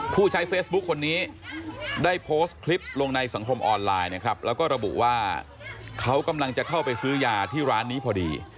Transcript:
ผู้ใช้เฟซบุ๊คคนนี้ได้โพสต์คลิปลงในสังคมออนไลน์นะครับแล้วก็ระบุว่าเขากำลังจะเข้าไปซื้อยาที่ร้านนี้พอดี